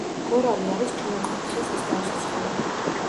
გორალი არის ჯმუხი, თხის მსგავსი ცხოველი.